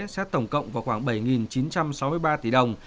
xét tổng cộng vào khoảng bảy chín trăm sáu mươi ba tỷ đồng